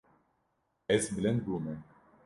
Ez bilind bûme.